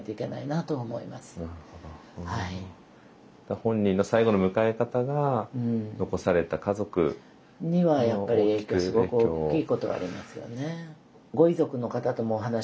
本人の最期の迎え方が残された家族。にはやっぱり影響すごく大きいことがありますよね。